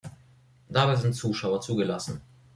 Dabei sind Zuschauer zugelassen.